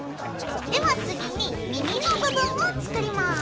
では次に耳の部分を作ります。